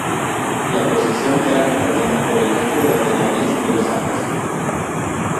La procesión era acompañada por el canto de las letanías de los santos.